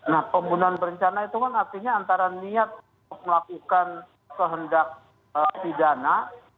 nah pembunuhan berencana itu kan artinya antara niat untuk melakukan kehendak pidana